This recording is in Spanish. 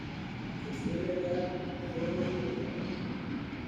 Se suele hallar solo o en pareja.